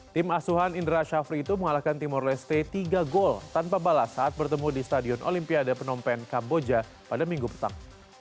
tim asuhan indra shafri itu mengalahkan timor leste tiga gol tanpa balas saat bertemu di stadion olimpiade penompen kamboja pada minggu petang